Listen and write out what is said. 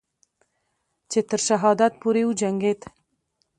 چې تر شهادت پورې وجنگید